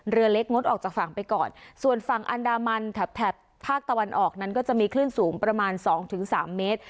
เรือเล็กงดออกจากฝั่งไปก่อนส่วนฝั่งอันดามันแถบแถบภาคตะวันออกนั้นก็จะมีคลื่นสูงประมาณสองถึงสามเมตร